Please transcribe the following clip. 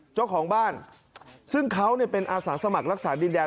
เจ้าของบ้านซึ่งเขาเนี่ยเป็นอาสาสมัครรักษาดินแดน